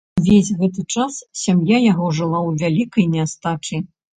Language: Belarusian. Увесь гэты час сям'я яго жыла ў вялікай нястачы.